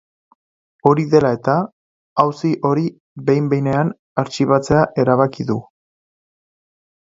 Hori dela eta, auzi hori behin-behinean artxibatzea erabaki du.